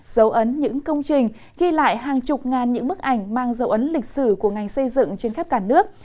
dấu ấn những công trình ghi lại hàng chục ngàn những bức ảnh mang dấu ấn lịch sử của ngành xây dựng trên khắp cả nước